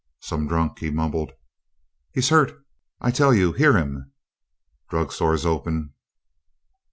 "Some drunk," he mumbled. "He's hurt, I tell you! Hear him!" "Drug store's open."